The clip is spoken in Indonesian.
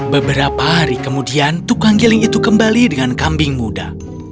beberapa hari kemudian tukang giling itu kembali dengan kambing muda